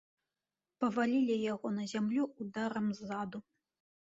Павалілі яго на зямлю ударам ззаду.